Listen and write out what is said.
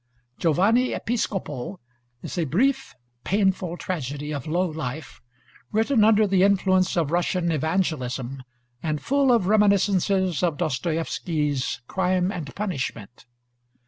'Giovanni Episcopo' is a brief, painful tragedy of low life, written under the influence of Russian evangelism, and full of reminiscences of Dostoïevsky's 'Crime and Punishment.'